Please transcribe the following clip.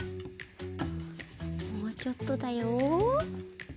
もうちょっとだよ。